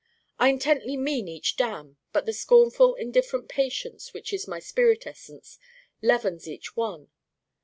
I intently mean each Damn, but the scornful indifferent patience which is my spirit essence leavens each one.